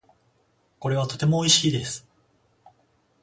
これはとても美味しいです。